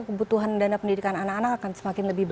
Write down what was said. kebutuhan dana pendidikan anak anak akan semakin lebih baik